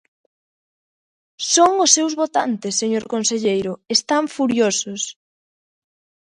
Son os seus votantes, señor conselleiro, están furiosos.